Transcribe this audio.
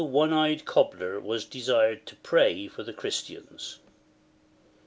How THE One eyed Cobler was desired to pray for the Christians.